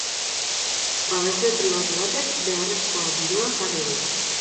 Babesle pribatu batek beharrezkoa dirua jarri du.